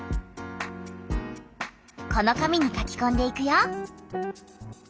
この紙に書きこんでいくよ。